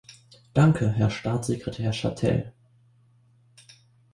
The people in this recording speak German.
Danke, Herr Staatssekretär Chatel.